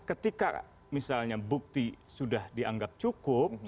ketika misalnya bukti sudah dianggap cukup